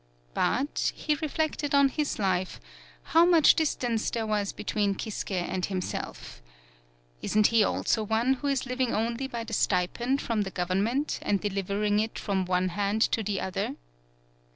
But, he reflected on his life, how much distance there was be tween Kisuke and himself. Isn't he also one who is living only by the sti pend from the government and deliv ering it from one hand to the other?